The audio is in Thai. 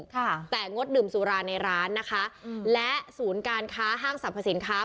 ค่ะแต่งดดื่มสุราในร้านนะคะอืมและศูนย์การค้าห้างสรรพสินค้า